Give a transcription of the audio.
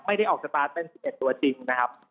ไม่ได้ออกสตาร์ทเต้น๑๑ตัวจริงนะครับ